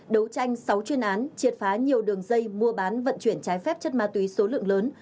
đấu tranh sáu chuyên án triệt phá nhiều đường dây mua bán vận chuyển trái phép chất ma túy số lượng lớn